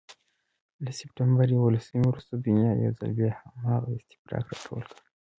له سپتمبر یوولسمې وروسته دنیا یو ځل بیا هماغه استفراق راټول کړ.